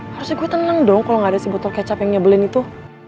harusnya gue tenang dong kalau nggak ada si botol kecap yang nyebelin itu